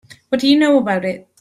What do you know about it?